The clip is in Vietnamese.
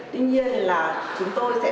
tuy nhiên là chúng tôi sẽ phải